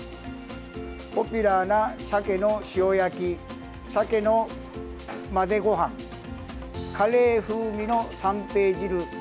ポピュラーな鮭の塩焼き鮭の混ぜごはんカレー風味の三平汁です。